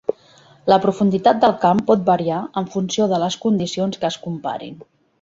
La profunditat del camp pot variar en funció de les condicions que es comparin.